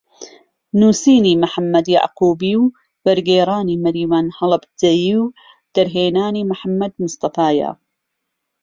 نووسینی محەممەد یەعقوبی و وەرگێڕانی مەریوان هەڵەبجەیی و دەرهێنانی محەممەد مستەفایە